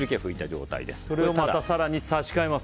それをまた更に差し替えます！